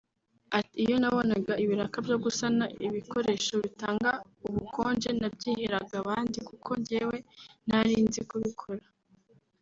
Ati “Iyo nabonaga ibiraka byo gusana ibikoresho bitanga ubukonje nabyiheraga abandi kuko njyewe ntari nzi kubikora